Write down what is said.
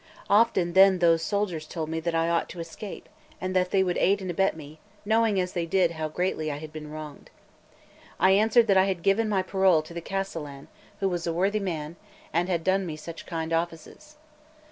Often then those soldiers told me that I ought to escape, and that they would aid and abet me, knowing as they did how greatly I had been wronged. I answered that I had given my parole to the castellan, who was such a worthy man, and had done me such kind offices.